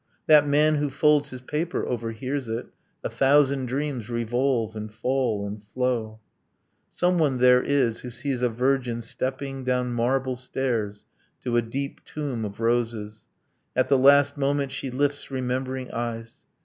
That man, who folds his paper, overhears it. A thousand dreams revolve and fall and flow. Some one there is who sees a virgin stepping Down marble stairs to a deep tomb of roses: At the last moment she lifts remembering eyes.